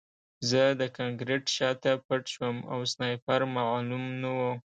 زه د کانکریټ شاته پټ شوم او سنایپر معلوم نه و